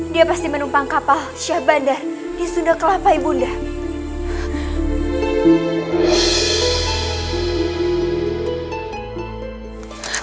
dia pasti menumpang kapal syah bandar di sunda kelapa ibunda